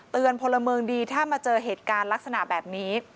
พลเมืองดีถ้ามาเจอเหตุการณ์ลักษณะแบบนี้